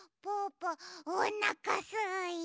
ぽおなかすいた！